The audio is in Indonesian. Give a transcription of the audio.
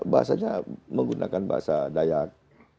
bahasanya menggunakan bahasa dayak